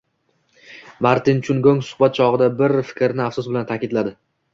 Martin Chungong suhbat chogʻida bir fikrni afsus bilan taʼkidladi.